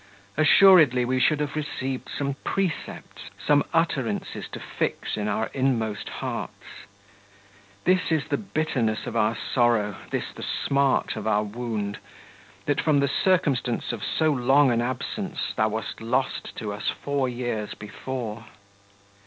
Assuredly we should have received some precepts, some utterances to fix in our inmost hearts. This is the bitterness of our sorrow, this the smart of our wound, that from the circumstance of so long an absence thou wast lost to us four years before.